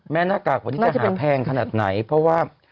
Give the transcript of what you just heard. หน้ากากวันนี้จะหาแพงขนาดไหนเพราะว่า